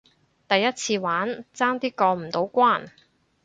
第一次玩，爭啲過唔到關